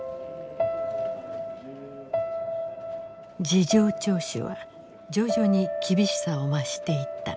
事情聴取は徐々に厳しさを増していった。